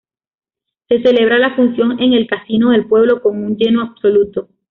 Se celebra la función en el casino del pueblo, con un lleno absoluto.